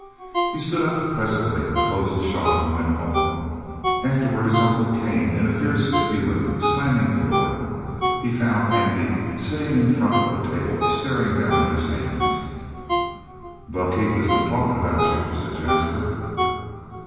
He stood up presently, closed the shop, and went home. Afterward his uncle came in a fierce humor, slamming the door. He found Andy sitting in front of the table staring down at his hands. "Buck Heath has been talkin' about you," said Jasper.